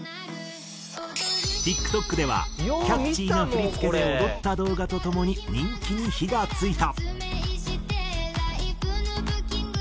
ＴｉｋＴｏｋではキャッチーな振り付けで踊った動画とともに人気に火が付いた。